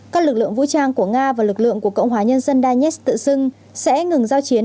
các lực lượng vũ trang của nga và lực lượng của cộng hòa nhân dân danetsk tự xưng sẽ ngừng giao chiến